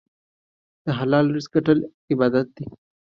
د حلال رزق ګټل عبادت دی.